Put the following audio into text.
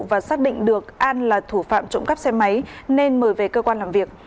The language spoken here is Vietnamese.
và xác định được an là thủ phạm trộm cắp xe máy nên mời về cơ quan làm việc